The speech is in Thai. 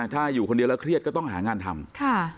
ถ้าอยู่คนเดียวแล้วเครียดก็ต้องหางานทำ